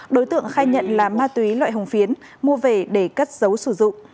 đối tượng khai nhận là ma túy loại hồng phiến mua về để cất dấu sử dụng